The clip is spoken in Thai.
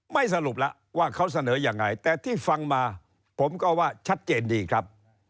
ไม่สรุปแล้วว่าเขาเสนอยังไงแต่ที่ฟังมาผมก็ว่าชัดเจนดีครับ